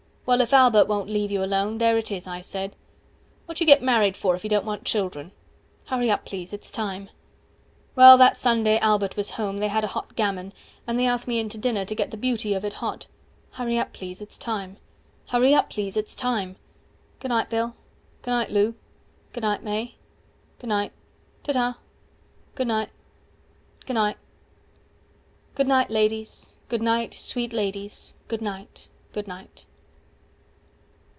Well, if Albert won't leave you alone, there it is, I said, What you get married for if you don't want children? HURRY UP PLEASE ITS TIME 165 Well, that Sunday Albert was home, they had a hot gammon, And they asked me in to dinner, to get the beauty of it hot— HURRY UP PLEASE ITS TIME HURRY UP PLEASE ITS TIME Goonight Bill. Goonight Lou. Goonight May. Goonight. 170 Ta ta. Goonight. Goonight. Good night, ladies, good night, sweet ladies, good night, good night.